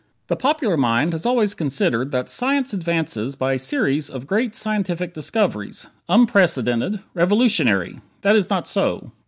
The popular mind has always considered that science advances by a series of "great scientific discoveries"; "unprecedented"; "revolutionary." That is not so.